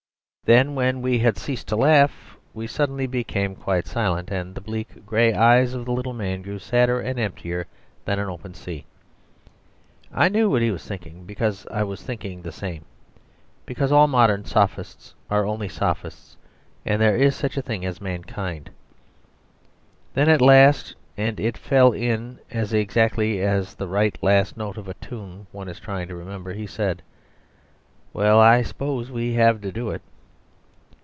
Then when we had ceased to laugh, we suddenly became quite silent; and the bleak, grey eyes of the little man grew sadder and emptier than an open sea. I knew what he was thinking, because I was thinking the same, because all modern sophists are only sophists, and there is such a thing as mankind. Then at last (and it fell in as exactly as the right last note of a tune one is trying to remember) he said: "Well, I s'pose we 'ave to do it."